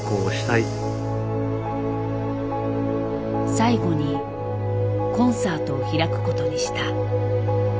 最後にコンサートを開くことにした。